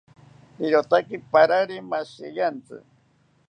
Irotaki parari mashiriantzi